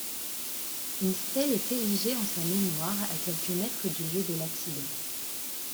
Une stèle est érigée en sa mémoire à quelques mètres du lieu de l'accident.